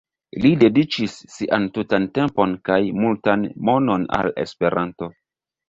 Li dediĉis sian tutan tempon kaj multan monon al Esperanto.